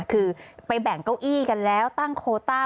คือไปแบ่งเก้าอี้กันแล้วตั้งโคต้า